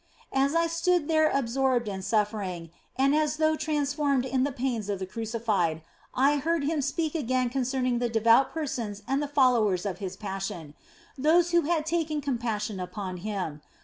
As I stood thus absorbed in suffering and as though transformed in the pains of the Crucified, I heard Him speak again concerning the devout persons and the fol lowers of His Passion, and those who had taken com passion upon Him.